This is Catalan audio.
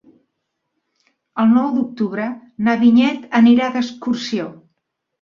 El nou d'octubre na Vinyet anirà d'excursió.